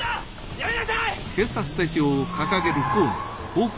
やめなさい！